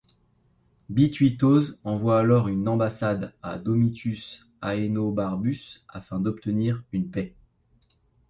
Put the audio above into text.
Bituitos envoie alors une ambassade à Domitius Ahenobarbus, afin d’obtenir une paix.